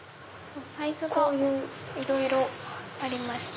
サイズがいろいろありまして。